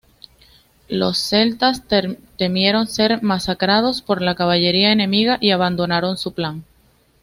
Los celtas temieron ser masacrados por la caballería enemiga y abandonaron su plan.